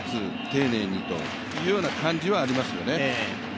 丁寧にというような感じはありますよね。